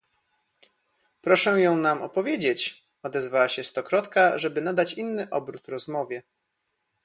"„Proszę ją nam opowiedzieć!“ odezwała się Stokrotka, żeby nadać inny obrót rozmowie."